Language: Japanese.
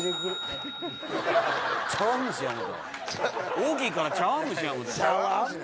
大きいから茶碗蒸しや思うた。